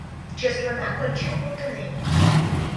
Чеслынак ончен колтынем.